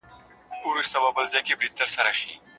سلا مشورې وړاندې شوې.